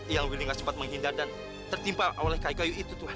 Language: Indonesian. yang willy nggak sempat menghindar dan tertimpa oleh kayu kayu itu tuh